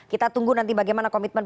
kita tunggu nanti bagaimana komitmen